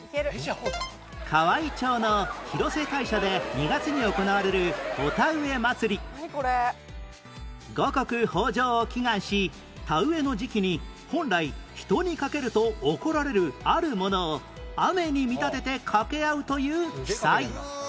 河合町の廣瀬大社で五穀豊穣を祈願し田植えの時期に本来人にかけると怒られるあるものを雨に見立ててかけ合うという奇祭